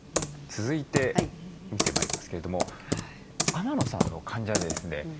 続いて見てまいりますけれども天野さんの患者でですね